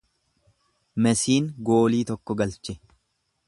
Mesiin goolii tokko galche.